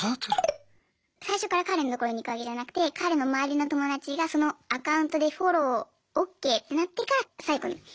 最初から彼のところに行くわけじゃなくて彼の周りの友達がそのアカウントでフォローＯＫってなってから最後に潜り込むって感じですね。